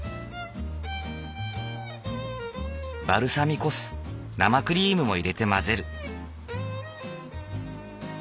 バルサミコ酢生クリームも入れて混ぜる。